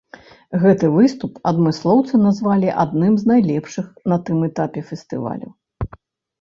Гэты выступ адмыслоўцы назвалі адным з найлепшых на тым этапе фестывалю.